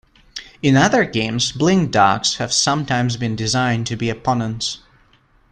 In other games, blink dogs have sometimes been designed to be opponents.